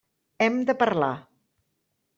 Hem de parlar.